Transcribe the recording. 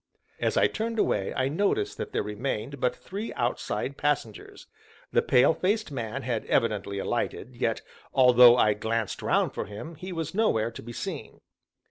As I turned away, I noticed that there remained but three outside passengers; the pale faced man had evidently alighted, yet, although I glanced round for him, he was nowhere to be seen.